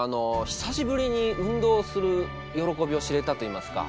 久しぶりに運動する喜びを知れたといいますか。